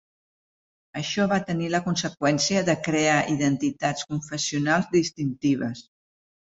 Això va tenir la conseqüència de crear identitats confessionals distintives.